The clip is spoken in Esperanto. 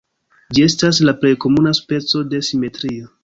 Ĝi estas la plej komuna speco de simetrio.